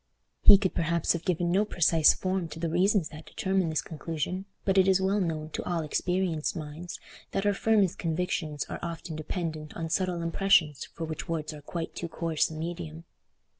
He could perhaps have given no precise form to the reasons that determined this conclusion, but it is well known to all experienced minds that our firmest convictions are often dependent on subtle impressions for which words are quite too coarse a medium.